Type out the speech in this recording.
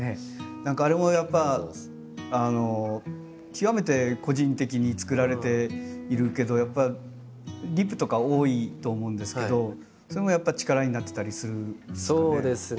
何かあれもやっぱ極めて個人的に作られているけどやっぱリプとか多いと思うんですけどそれもやっぱ力になってたりするんですかね？